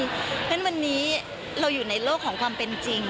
เพราะฉะนั้นวันนี้เราอยู่ในโลกของความเป็นจริง